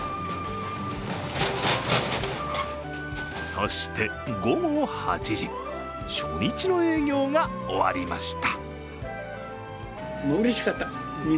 そして午後８時、初日の営業が終わりました。